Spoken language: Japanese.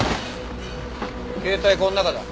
携帯この中だ。